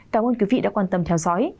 cảm ơn quý vị đã quan tâm theo dõi